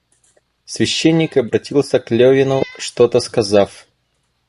Священник обратился к Левину, что-то сказав.